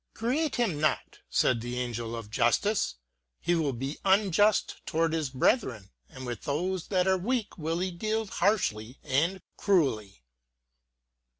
" Create him not !*• said the angel of Justice ;" h« will be unjust towards his brethren, and with those that are weak will he deal Imrshly and cruelly."